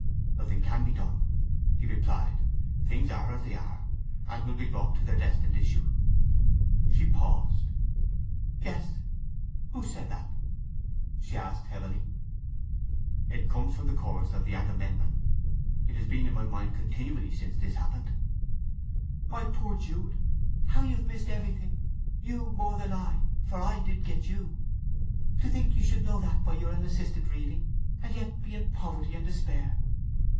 "Nothing can be done," he replied. "Things are as they are, and will be brought to their destined issue." She paused. "Yes! Who said that?" she asked heavily. "It comes in the chorus of the Agamemnon. It has been in my mind continually since this happened." "My poor Jude—how you've missed everything!—you more than I, for I did get you! To think you should know that by your unassisted reading, and yet be in poverty and despair!"